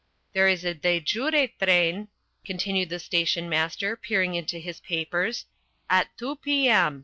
"There is a de jure train," continued the stationmaster, peering into his papers, "at two p.m.